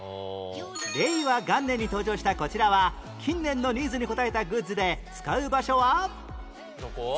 令和元年に登場したこちらは近年のニーズに応えたグッズで使う場所は